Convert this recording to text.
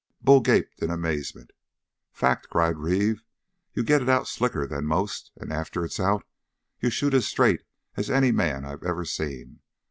Bull gaped in amazement. "Fact!" cried Reeve. "You get it out slicker than most; and after it's out, you shoot as straight as any man I've ever seen.